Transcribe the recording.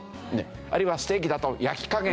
あるいはステーキだと「焼き加減はどうですか？」